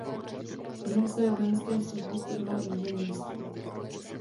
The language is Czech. Během své vojenské služby studoval inženýrství.